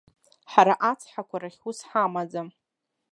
Ҳара ацҳақәа рахь ус ҳамаӡам.